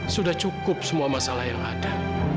sudah cukup semua masalah yang ada